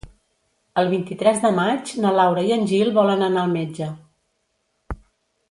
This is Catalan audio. El vint-i-tres de maig na Laura i en Gil volen anar al metge.